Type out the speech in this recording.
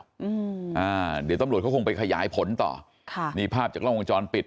อืมอ่าเดี๋ยวตำรวจเขาคงไปขยายผลต่อค่ะนี่ภาพจากล้องวงจรปิด